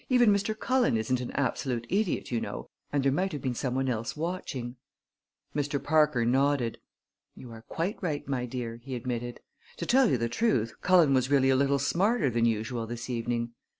Even Mr. Cullen isn't an absolute idiot, you know, and there might have been some one else watching." Mr. Parker nodded. "You are quite right, my dear," he admitted. "To tell you the truth, Cullen was really a little smarter than usual this evening.